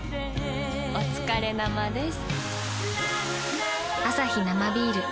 おつかれ生です。